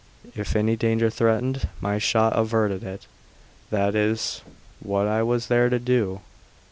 If any danger threatened, my shot averted it; that is what I was there to do.